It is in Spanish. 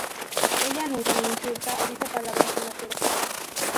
Ella nunca insulta o dice palabras demasiado fuertes.